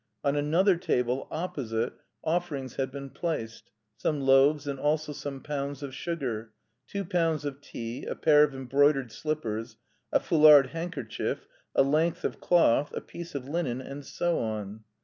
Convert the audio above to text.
On another table opposite offerings had been placed: some loaves and also some pounds of sugar, two pounds of tea, a pair of embroidered slippers, a foulard handkerchief, a length of cloth, a piece of linen, and so on.